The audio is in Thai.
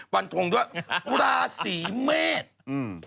ฟันทงด้วยราศรีเมฆ